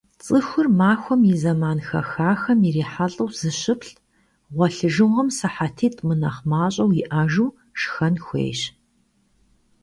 ЦӀыхур махуэм и зэман хэхахэм ирихьэлӀэу зыщыплӏ, гъуэлъыжыгъуэм сыхьэтитӏ мынэхъ мащӀэу иӀэжу, шхэн хуейщ.